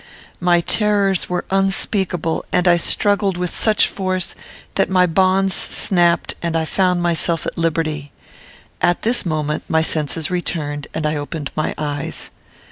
My terrors were unspeakable, and I struggled with such force, that my bonds snapped and I found myself at liberty. At this moment my senses returned, and I opened my eyes.